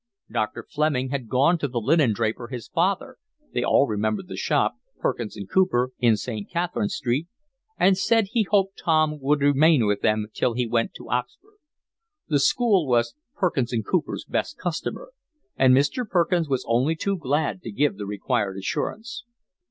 Dr. Fleming had gone to the linendraper his father—they all remembered the shop, Perkins and Cooper, in St. Catherine's Street—and said he hoped Tom would remain with them till he went to Oxford. The school was Perkins and Cooper's best customer, and Mr. Perkins was only too glad to give the required assurance.